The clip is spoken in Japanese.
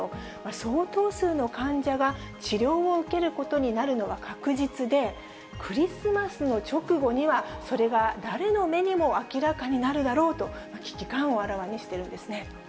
相当数の患者が治療を受けることになるのは確実で、クリスマスの直後には、それが誰の目にも明らかになるだろうと、危機感をあらわにしてるんですね。